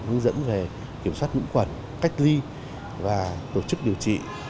hướng dẫn về kiểm soát nhiễm khuẩn cách ly và tổ chức điều trị